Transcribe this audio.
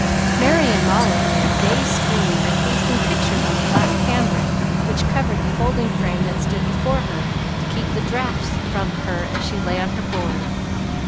Merry and Molly made a gay screen by pasting pictures on the black cambric which covered the folding frame that stood before her to keep the draughts from her as she lay on her board.